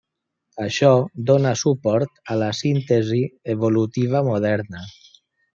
Això dóna suport a la síntesi evolutiva moderna.